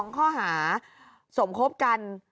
๒ข้อหาสมคบกัน